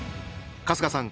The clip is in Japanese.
春日さん